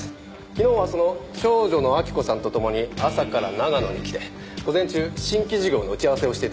昨日はその長女の明子さんと共に朝から長野に来て午前中新規事業の打ち合わせをしていたそうです。